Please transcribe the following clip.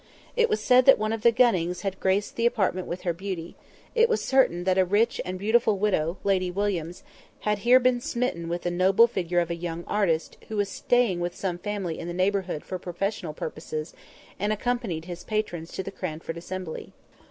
It was said that one of the Gunnings had graced the apartment with her beauty; it was certain that a rich and beautiful widow, Lady Williams, had here been smitten with the noble figure of a young artist, who was staying with some family in the neighbourhood for professional purposes, and accompanied his patrons to the Cranford Assembly.